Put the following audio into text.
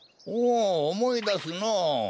おおおもいだすのう。